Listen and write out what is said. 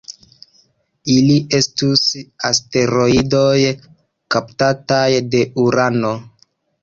Ili estus asteroidoj kaptataj de Urano.